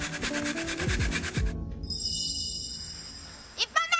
１本目！